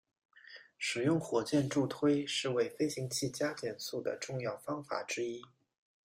使用火箭助推是为飞行器加减速的重要方法之一。